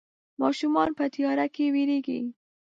ماشومان په تياره کې ويرېږي.